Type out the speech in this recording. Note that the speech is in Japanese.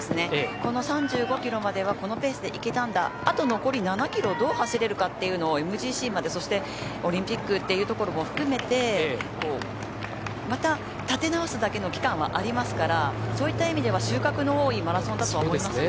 この３５キロまではこのペースで行けたんだあと残り７キロ、どう走るのか、ＭＧＣそしてオリンピックというところも含めてまた立て直すだけの期間はありますからそういった意味では収穫の多いマラソンだと思いますよ。